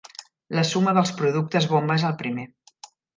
La suma dels productes bomba és el primer.